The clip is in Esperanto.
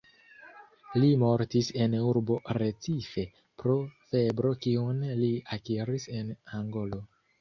Li mortis en urbo Recife, pro febro kiun li akiris en Angolo.